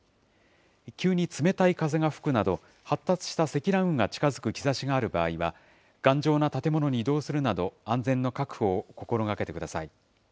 急に冷たい風が吹くなど、発達した積乱雲が近づく兆しがある場合は、頑丈な建物に移動するなど、安全の確保を心がけてください。